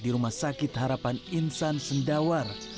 di rumah sakit harapan insan sendawar